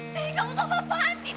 teri kamu tuh apa apaan sih ter